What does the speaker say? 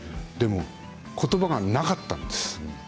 でも、ことばがなかったんです。